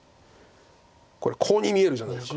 これコウに見えるじゃないですか。